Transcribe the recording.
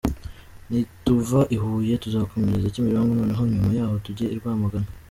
Nituva i Huye tuzakomereza Kimironko noneho nyuma yaho tujye i Rwamagana”.